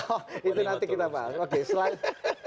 oh itu nanti kita bahas oke selanjutnya